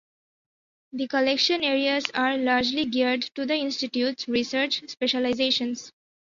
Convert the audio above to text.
The collection areas are largely geared to the Institute’s research specialisations.